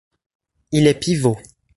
Il est pivot.